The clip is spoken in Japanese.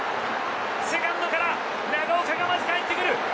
セカンドから長岡、まずかえってくる！